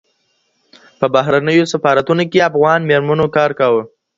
په بهرنیو سفارتونو کي افغان میرمنو کار کاوه.